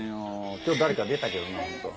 今日誰か出たけどな本当は。